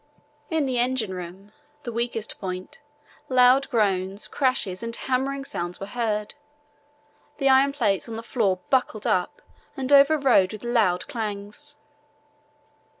In the engine room, the weakest point, loud groans, crashes, and hammering sounds were heard. The iron plates on the floor buckled up and overrode with loud clangs.